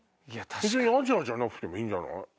別にアジアじゃなくてもいいんじゃない？